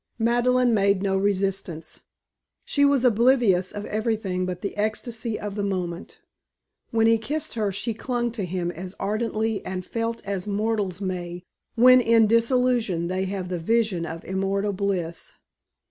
Madeleine made no resistance. She was oblivious of everything but the ecstasy of the moment. When he kissed her she clung to him as ardently, and felt as mortals may, when, in dissolution, they have the vision of unmortal bliss.